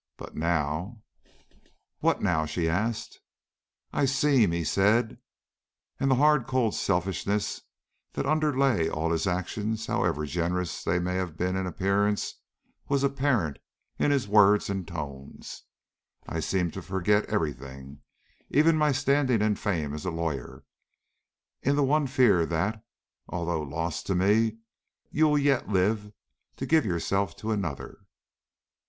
But now " "What now?" she asked. "I seem" he said, and the hard, cold selfishness that underlay all his actions, however generous they may have been in appearance, was apparent in his words and tones, "I seem to forget every thing, even my standing and fame as a lawyer, in the one fear that, although lost to me, you will yet live to give yourself to another."